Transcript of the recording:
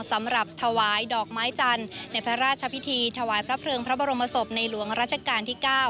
สำหรับถวายดอกไม้จันทร์ในพระราชพิธีถวายพระเพลิงพระบรมศพในหลวงราชการที่๙